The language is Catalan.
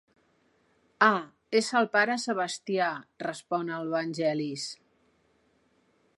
Ah, és el pare Sebastià —respon el Vangelis—.